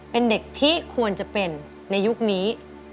เป็นเด็กที่ควรจะเป็นในยุคนี้